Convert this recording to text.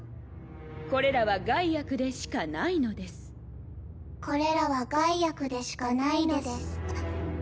これらは害悪でしかない「これらは害悪でしか「ないのです」